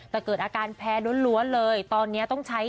แต่เกิดอาการแพ้ล้วนเลยตอนนี้ต้องใช้